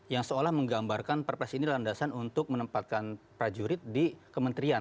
yang seolah menggambarkan perpres ini landasan untuk menempatkan prajurit di kementerian